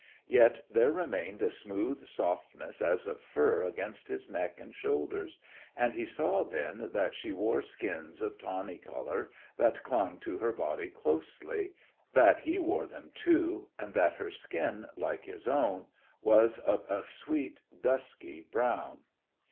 Yet there remained a smooth softness as of fur against his neck and shoulders, and he saw then that she wore skins of tawny colour that clung to her body closely, that he wore them too, and that her skin, like his own, was of a sweet dusky brown.